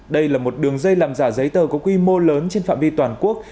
đây là một đường dây làm giả giấy tờ có quy mô lớn trên phạm vi toàn quốc